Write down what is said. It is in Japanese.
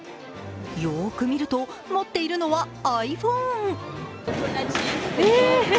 よーく見ると、持っているのはｉＰｈｏｎｅ。